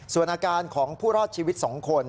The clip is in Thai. ส่วนอาการของผู้รอดชีวิต๒คน